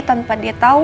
tanpa dia tau